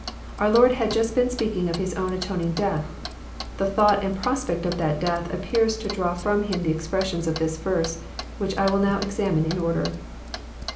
Oar Lord had Just been speaking of His own atoning death. The thought and prospect of that death appears to draw Arom Him the expressions of this verse, which I will now examine in order.